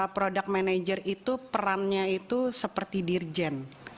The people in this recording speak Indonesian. product manager itu perannya itu seperti dirjen